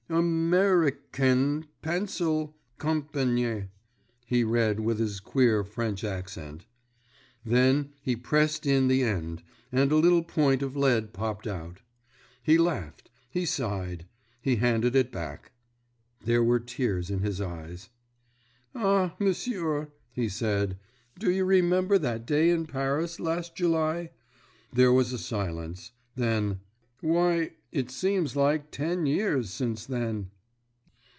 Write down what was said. "A mer i cain Pencil Compagnie" he read with his queer French accent. Then he pressed in the end, and a little point of lead popped out. He laughed—he sighed. He handed it back. There were tears in his eyes. "Ah, m'sieur," he said, "do you remember that day in Paris, last July?" There was a silence. Then—"Why, it seems like ten years since then!"